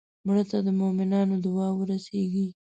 مړه ته د مومنانو دعا ورسېږي